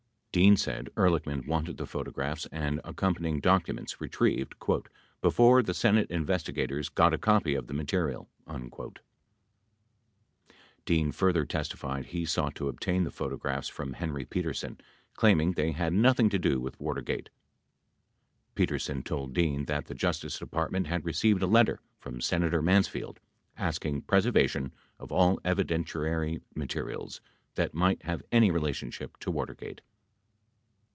97 Dean said Ehrlichman wanted the photographs and ac companying documents retrieved "before the Senate investigators got a copy of the material." 98 Dean further testified he sought to obtain the photographs from Henry Petersen, claiming they had nothing to do with Watergate. Petersen told Dean that the Justice Department had received a letter from Senator Mansfield asking preservation of all evidentiary ma terials that might have any relationship to Watergate.